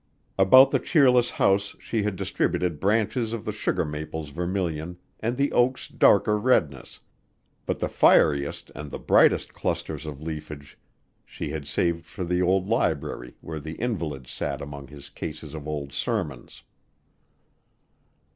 About the cheerless house she had distributed branches of the sugar maple's vermilion and the oak's darker redness, but the fieriest and the brightest clusters of leafage she had saved for the old library where the invalid sat among his cases of old sermons.